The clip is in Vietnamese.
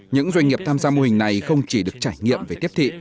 những doanh nghiệp tham gia mô hình này không chỉ được trải nghiệm về tiếp thị